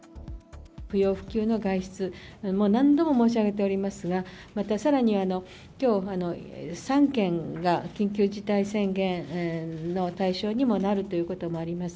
不要不急の外出、もう何度も申し上げておりますが、またさらに、きょう３県が緊急事態宣言の対象にもなるということもあります。